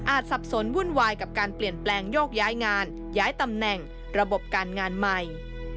สับสนวุ่นวายกับการเปลี่ยนแปลงโยกย้ายงานย้ายตำแหน่งระบบการงานใหม่